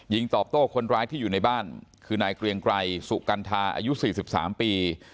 ตอบโต้คนร้ายที่อยู่ในบ้านคือนายเกรียงไกรสุกัณฑาอายุ๔๓ปี